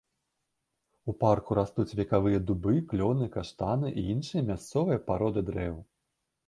У парку растуць векавыя дубы, клёны, каштаны і іншыя мясцовыя пароды дрэў.